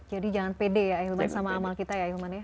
jadi jangan pede ya ilman sama amal kita ya ilman ya